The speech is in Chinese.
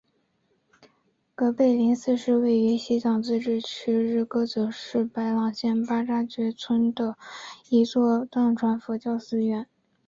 格培林寺是位于西藏自治区日喀则市白朗县巴扎乡觉杰村的一座藏传佛教寺院。